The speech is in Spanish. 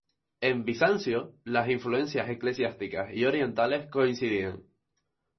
En Bizancio, las influencias eclesiásticas y orientales coincidían.